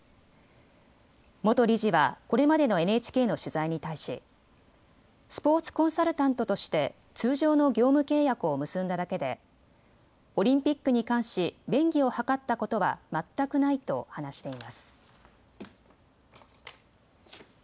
元理事はこれまでのＮＨＫの取材に対しスポーツコンサルタントとして通常の業務契約を結んだだけでオリンピックに関し便宜を図ったことは全くないと話しています。